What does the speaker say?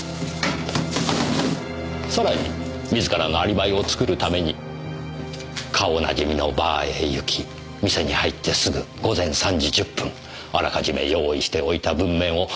さらに自らのアリバイを作るために顔なじみのバーへ行き店に入ってすぐ午前３時１０分あらかじめ用意しておいた文面を被害者の携帯電話から送り。